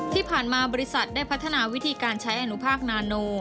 ที่ผ่านมาบริษัทได้พัฒนาวิธีการใช้อนุภาคนาโน